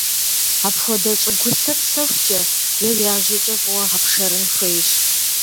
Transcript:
Апхуэдэ щӀыгулъыр сэхукӀэ е яжьэкӀэ фӀыуэ гъэпшэрын хуейщ.